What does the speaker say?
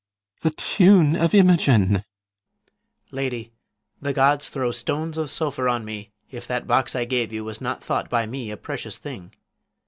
The tune of Imogen! PISANIO. Lady, The gods throw stones of sulphur on me, if That box I gave you was not thought by me A precious thing!